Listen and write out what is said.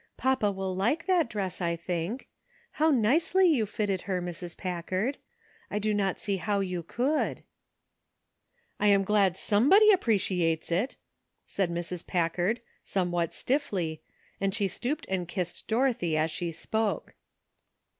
Papa will like that dress, I think. How nicely you 232 BORROWED TROUBLE. fitted her, Mrs. Packard ; I do not see how you could !"" I am glad somebody appreciates it," said Mrs. Packard, somewhat stiffly, and she stooped and kissed Dorothy as she spoke.